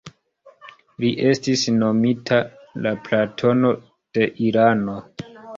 Li estis nomita «la Platono de Irano».